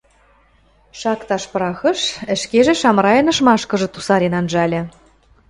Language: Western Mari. шакташ пырахыш, ӹшкежӹ Шамрайын ышмашкыжы тусарен анжальы.